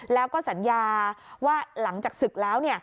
แล้วก็สัญญาว่าหลังจากศึกแล้ว